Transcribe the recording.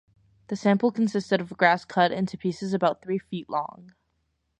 The sample consisted of grass cut into pieces about three feet long.